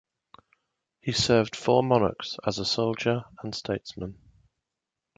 He served four monarchs as a soldier and statesman.